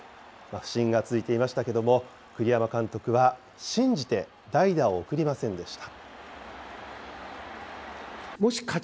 不振が続いていましたけれども、栗山監督は信じて代打を送りませんでした。